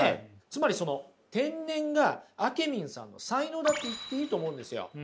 つまりその天然があけみんさんの才能だと言っていいと思うんですよ。